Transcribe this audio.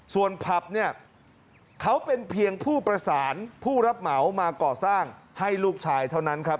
ส่วนผับเนี่ยเขาเป็นเพียงผู้ประสานผู้รับเหมามาก่อสร้างให้ลูกชายเท่านั้นครับ